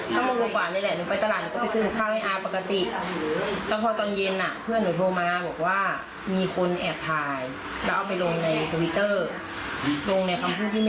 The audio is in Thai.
กลัวไอ้คนนี้มันรู้ตัวแล้วมันจะหนูไป